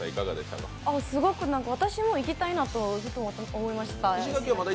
すごく私も行きたいなと思いました。